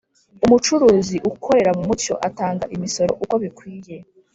Umucuruzi ukorera mu mucyo atanga imisoro uko bikwiye,